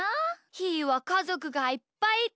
ひーはかぞくがいっぱいいて。